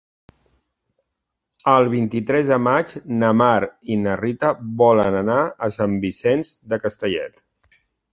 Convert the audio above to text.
El vint-i-tres de maig na Mar i na Rita volen anar a Sant Vicenç de Castellet.